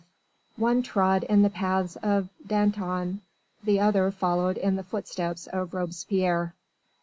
The one trod in the paths of Danton: the other followed in the footsteps of Robespierre.